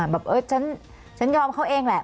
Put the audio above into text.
แบบเออฉันยอมเขาเองแหละ